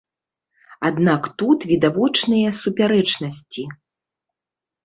Аднак тут відавочныя супярэчнасці.